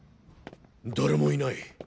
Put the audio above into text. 誰もいない。